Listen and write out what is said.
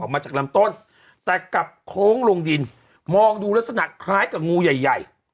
มาจากลำต้นแต่กลับโค้งลงดินมองดูลักษณะคล้ายกับงูใหญ่ใหญ่